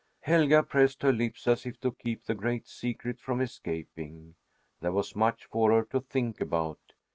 Helga pressed her lips, as if to keep the great secret from escaping. There was much for her to think about.